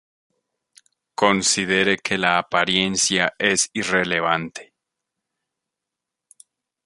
Considera que la apariencia es irrelevante.